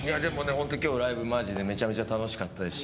でもホント今日ライブマジでめちゃめちゃ楽しかった。